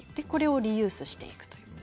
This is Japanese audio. これをリユースしていく。